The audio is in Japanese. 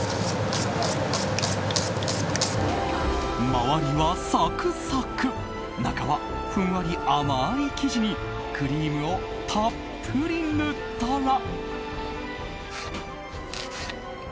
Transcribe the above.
周りはサクサク中は、ふんわり甘い生地にクリームをたっぷり塗ったら。